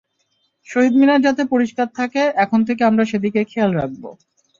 শহীদ মিনার যাতে পরিষ্কার থাকে, এখন থেকে আমরা সেদিকে খেয়াল রাখব।